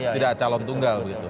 tidak calon tunggal